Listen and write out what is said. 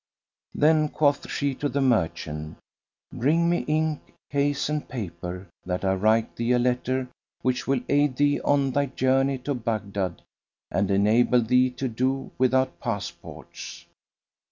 Then quoth she to the merchant, "Bring me ink case and paper, that I write thee a letter which shall aid thee on thy journey to Baghdad and enable thee to do without passports."